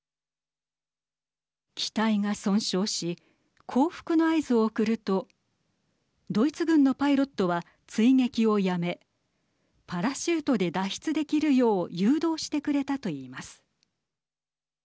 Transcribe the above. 機体が損傷し降伏の合図を送るとドイツ軍のパイロットは追撃をやめパラシュートで脱出できるよう誘導してくれたと言います。